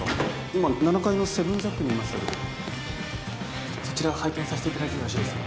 今７階のセブンジャックにいましたけどそちらを拝見させていただいてもよろしいですか？